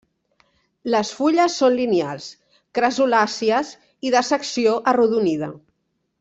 Les fulles són lineals, crassulàcies i de secció arrodonida.